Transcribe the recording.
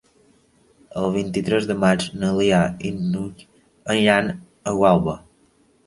El vint-i-tres de maig na Lia i n'Hug aniran a Gualba.